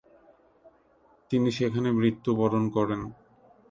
তিনি সেখানে মৃত্যুবরণ করেন।